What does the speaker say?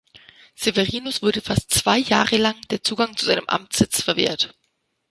Severinus wurde fast zwei Jahre lang der Zugang zu seinem Amtssitz verwehrt.